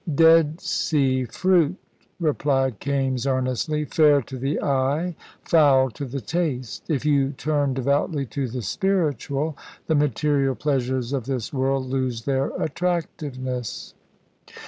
"Dead Sea Fruit," replied Kaimes, earnestly; "fair to the eye, foul to the taste. If you turn devoutly to the spiritual, the material pleasures of this world lose their attractiveness."